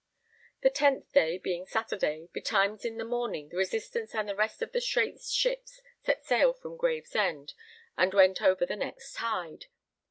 The 10th day, being Saturday, betimes in the morning the Resistance and the rest of the Straits ships set sail from Gravesend, and went over the next tide.